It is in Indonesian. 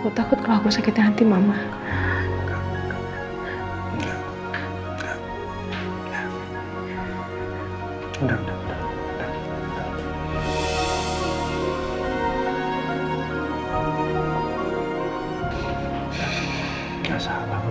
enggak salah kamu enggak salah